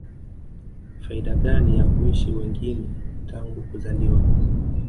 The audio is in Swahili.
faida gani ya kuishi wengine tangu kuzaliwe